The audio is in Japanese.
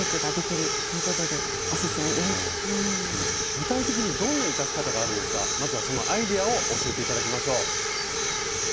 具体的にどんな生かし方があるのかまずはそのアイデアを教えて頂きましょう。